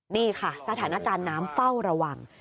นี่ค่ะสถานการณ์น้ำเฝ้าระวัง